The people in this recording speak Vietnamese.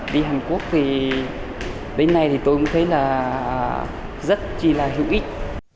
đi hàn quốc thì đến nay thì tôi cũng thấy là rất là hữu ích